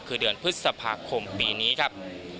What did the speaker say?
คือเดือนพฤษภาคมปีนี้ครับ